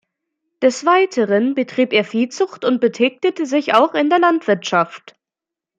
Des Weiteren betrieb er Viehzucht und betätigte sich auch in der Landwirtschaft.